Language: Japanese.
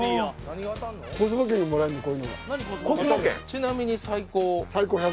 ちなみに最高。